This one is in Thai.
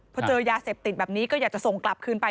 พอเจอยาเสพติดแบบนี้ก็อยากจะส่งกลับคืนไป